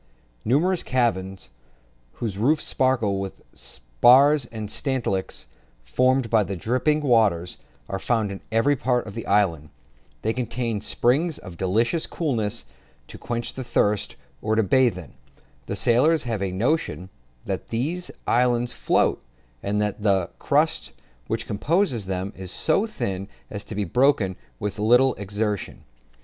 Numerous caverns, whose roofs sparkle with the spars and stalactites formed by the dripping water, are found in every part of the islands. They contain springs of delicious coolness, to quench the thirst, or to bathe in. The sailors have a notion that these islands float, and that the crust which composes them is so thin as to be broken with little exertion.